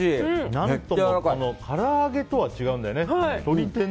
何とも、から揚げとは違うんだよね。